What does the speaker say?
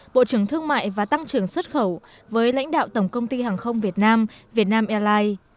bộ trưởng thương mại và tăng trưởng xuất khẩu với lãnh đạo tổng công ty hàng không việt nam vietnam airlines